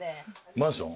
マンション。